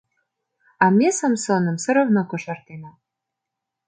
А ме Самсоным соровно кошартена.